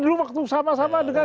dulu waktu sama sama dengan